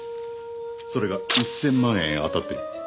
それが１，０００万円当たってる。